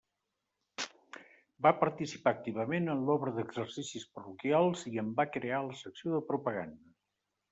Va participar activament en l'Obra d'Exercicis Parroquials, i en va crear la secció de Propaganda.